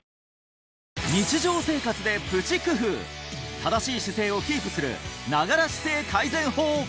正しい姿勢をキープする「ながら姿勢改善法」